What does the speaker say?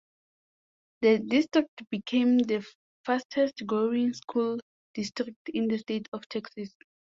The district became the fastest growing school district in the State of Texas.